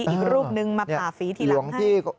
อีกรูปนึงมาผ่าฝีทีหลังให้